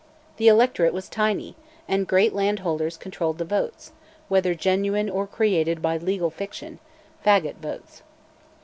The electorate was tiny, and great landholders controlled the votes, whether genuine or created by legal fiction "faggot votes."